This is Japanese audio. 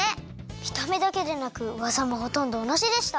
みためだけでなくわざもほとんどおなじでした！